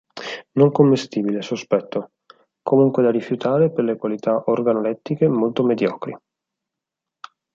Non commestibile, sospetto; comunque da rifiutare per le qualità organolettiche molto mediocri.